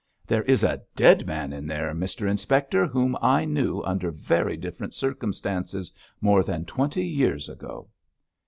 'There is a dead man in there, Mr Inspector, whom I knew under very different circumstances more than twenty years ago.'